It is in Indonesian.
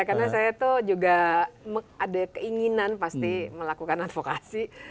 karena saya tuh juga ada keinginan pasti melakukan advokasi